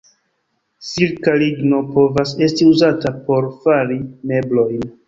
Silka ligno povas esti uzata por fari meblojn.